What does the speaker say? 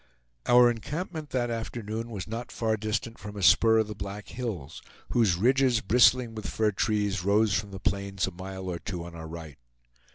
Our encampment that afternoon was not far distant from a spur of the Black Hills, whose ridges, bristling with fir trees, rose from the plains a mile or two on our right.